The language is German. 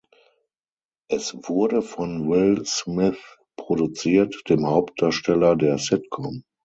Es wurde von Will Smith produziert, dem Hauptdarsteller der Sitcom.